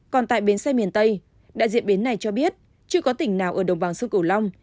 còn tại bến xe miền tây đại diện bến này cho biết chưa có tỉnh nào ở đồng bằng sông cửu long